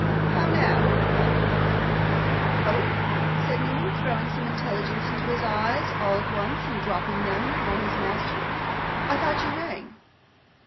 'How now?' growled Ralph. 'Oh!' said Newman, throwing some intelligence into his eyes all at once, and dropping them on his master, 'I thought you rang.